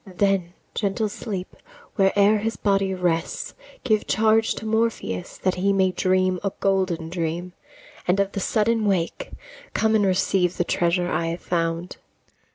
Then, gentle Sleep, where'er his body rests, Give charge to Morpheus that he may dream A golden dream, and of the sudden wake, Come and receive the treasure I have found.